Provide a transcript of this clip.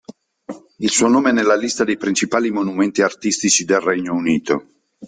Il suo nome è nella lista dei principali monumenti artistici del Regno Unito.